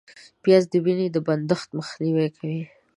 پیاز د وینې د بندښت مخنیوی کوي